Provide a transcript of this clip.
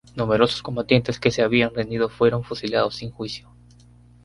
Numerosos combatientes que se habían rendido fueron fusilados sin juicio.